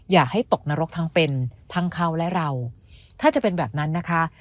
อย่าให้ตกนรกทั้งเป็นทั้งเขาและเราถ้าจะเป็นแบบนั้นนะคะ